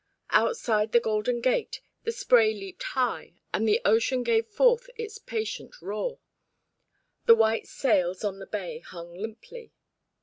Outside the Golden Gate, the spray leaped high, and the ocean gave forth its patient roar. The white sails on the bay hung limply.